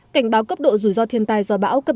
cảnh báo cấp độ rủi ro thiên tai do bão cấp ba